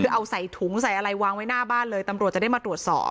คือเอาใส่ถุงใส่อะไรวางไว้หน้าบ้านเลยตำรวจจะได้มาตรวจสอบ